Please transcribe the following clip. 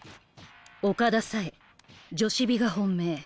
岡田さえ女子美が本命。